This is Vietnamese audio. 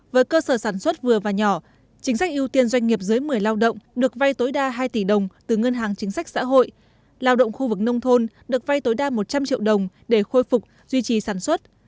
với cơ sở sản xuất vừa và nhỏ chính sách ưu tiên doanh nghiệp dưới một mươi lao động được vay tối đa hai tỷ đồng từ ngân hàng chính sách xã hội lao động khu vực nông thôn được vay tối đa một trăm linh triệu đồng để khôi phục duy trì sản xuất